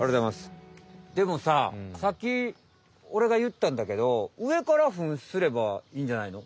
でもささっきおれがいったんだけど上からフンすればいいんじゃないの？